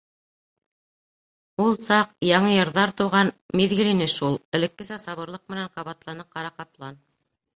— Ул саҡ... яңы йырҙар тыуған миҙгел ине шул, — элеккесә сабырлыҡ менән ҡабатланы ҡара ҡаплан.